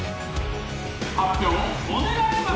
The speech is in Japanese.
発表を、お願いします！